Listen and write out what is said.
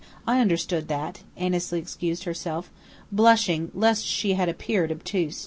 I understood that," Annesley excused herself, blushing lest she had appeared obtuse.